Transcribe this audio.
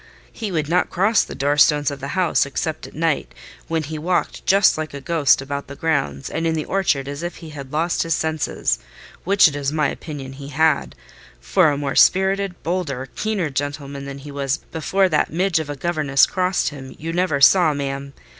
He would not cross the door stones of the house, except at night, when he walked just like a ghost about the grounds and in the orchard as if he had lost his senses—which it is my opinion he had; for a more spirited, bolder, keener gentleman than he was before that midge of a governess crossed him, you never saw, ma'am.